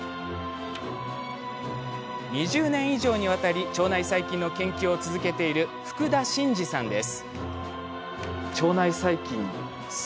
２０年以上にわたり腸内細菌の研究を続けている福田真嗣さんです。